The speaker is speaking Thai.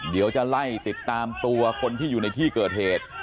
เดี๋ยวจะไล่ติดตามตัวคนที่อยู่ในที่เกิดเหตุ